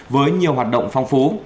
với nhiều hoạt động phong phú